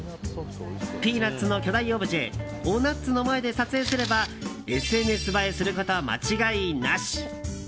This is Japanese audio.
ピーナッツの巨大オブジェおナッツの前で撮影すればＳＮＳ映えすること間違いなし！